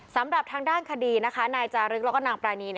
สำหรับทางด้านคดีนะคะนายจารึกแล้วก็นางปรานี